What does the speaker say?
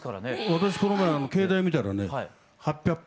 私この前携帯見たらね８００歩。